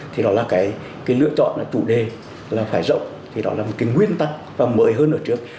thì đó là cái lựa chọn là chủ đề là phải rộng thì đó là một cái nguyên tắc và mới hơn ở trước